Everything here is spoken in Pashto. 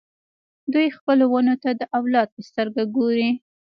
دوی خپلو ونو ته د اولاد په سترګه ګوري.